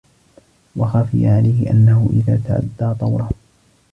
وَخَفِيَ عَلَيْهِ أَنَّهُ إذَا تَعَدَّى طَوْرَهُ